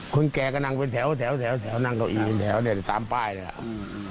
คนแก่ก็นั่งเป็นแถวนั่งเก้าอีกเป็นแถวเนี่ยตามป้ายนั่นแหละ